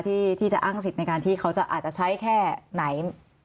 ที่จะอ้างสิทธิ์ในการที่เขาจะอาจจะใช้แค่ไหน